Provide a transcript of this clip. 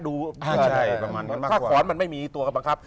ถ้าขอนมันไม่มีตัวก็บังคับ